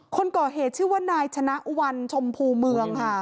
คนก่อเหตุชื่อว่านายชนะวันชมพูเมืองค่ะ